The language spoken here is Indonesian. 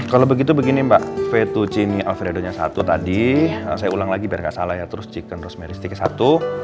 kalau begitu begini mbak fettuccine alfredo satu tadi saya ulang lagi biar gak salah ya terus chicken rosemary stick satu